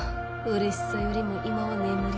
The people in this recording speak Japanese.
嬉しさよりも今は眠りてえ。